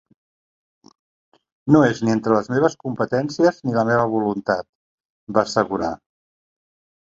“No és ni entre les meves competències ni la meva voluntat”, va assegurar.